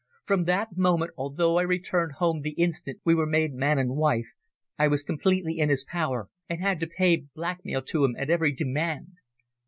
From that moment, although I returned home the instant we were made man and wife, I was completely in his power, and had to pay blackmail to him at every demand.